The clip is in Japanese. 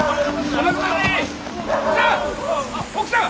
奥さん！